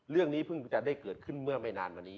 เรื่องนี้เพิ่งจะได้เกิดขึ้นเมื่อไม่นานมานี้